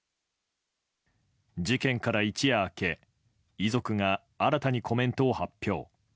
事件から一夜明け遺族が新たにコメントを発表。